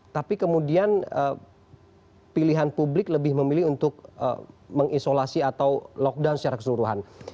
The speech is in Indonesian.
tapi kemudian pilihan publik lebih memilih untuk mengisolasi atau lockdown secara keseluruhan